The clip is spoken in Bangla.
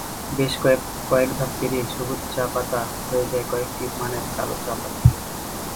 বেশ কয়েক ধাপ পেরিয়ে সবুজ চা-পাতা হয়ে যায় কয়েকটি মানের কালো চা-পাতি।